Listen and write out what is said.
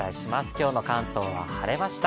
今日の関東は晴れました。